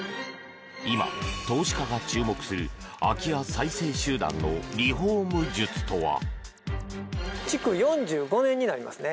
今、投資家が注目する空き家再生集団のリフォーム術とは。